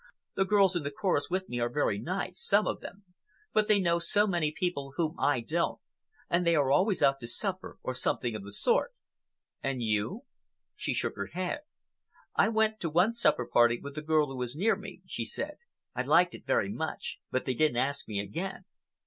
"The girls in the chorus with me are very nice, some of them, but they know so many people whom I don't, and they are always out to supper, or something of the sort." "And you?" She shook her head. "I went to one supper party with the girl who is near me," she said. "I liked it very much, but they didn't ask me again."